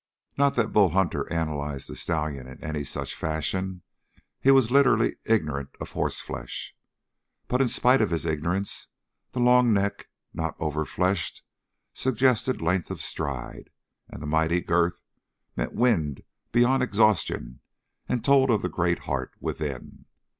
Not that Bull Hunter analyzed the stallion in any such fashion. He was, literally, ignorant of horseflesh. But in spite of his ignorance the long neck, not overfleshed, suggested length of stride and the mighty girth meant wind beyond exhaustion and told of the great heart within.